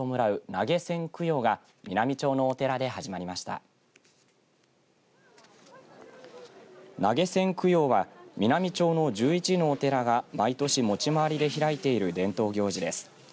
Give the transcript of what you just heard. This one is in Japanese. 投げ銭供養は美波町の１１のお寺が毎年持ち回りで開いている伝統行事です。